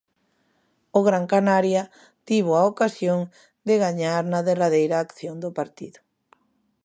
O Gran Canaria tivo a ocasión de gañar na derradeira acción do partido.